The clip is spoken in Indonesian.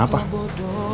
ya aku kan belum ngomong